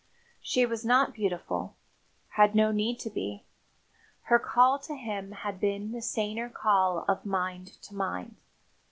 She was not beautiful had no need to be. Her call to him had been the saner call of mind to mind.